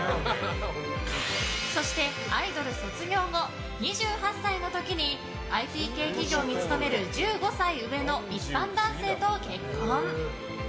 そして、アイドル卒業後２８歳の時にＩＴ系企業に勤める１５歳上の一般男性と結婚。